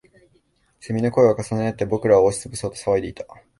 蝉の声は重なりあって、僕らを押しつぶそうと騒いでいた